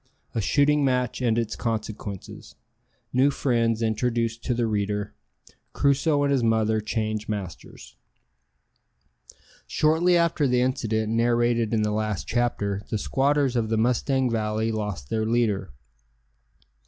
A shooting match and its consequences New friends introduced to the reader Crusoe and his mother change masters. Shortly after the incident narrated in the last chapter the squatters of the Mustang Valley lost their leader.